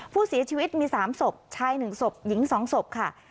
ผู้เสียชีวิตมี๓ศพชาย๑ศพหญิง๒ศพค่ะ